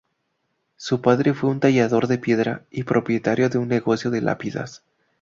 Su padre fue un tallador de piedra y propietario de un negocio de lápidas.